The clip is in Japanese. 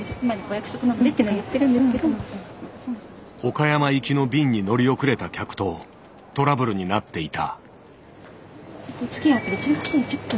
岡山行きの便に乗り遅れた客とトラブルになっていた。